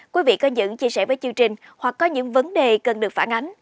quý vị có những chia sẻ với chương trình hoặc có những vấn đề cần được phản ánh